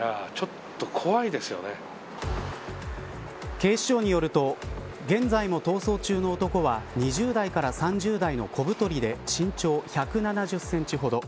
警視庁によると現在も逃走中の男は２０代から３０代の小太りで身長１７０センチほど。